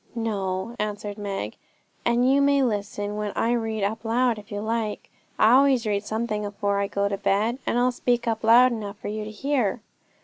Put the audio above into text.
'No,' answered Meg; 'and you may listen when I read up loud, if you like. I always read something afore I go to bed, and I'll speak up loud enough for you to hear.'